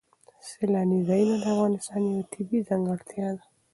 سیلانی ځایونه د افغانستان یوه طبیعي ځانګړتیا ده.